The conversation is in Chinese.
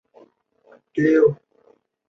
城市的北部郊区主要用于农业生产。